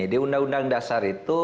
di undang undang dasar itu